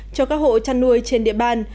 cho các hộ chăn nuôi trên địa bàn